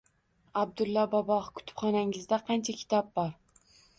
Abdulla bobo, kutubxonangizda qancha kitob bor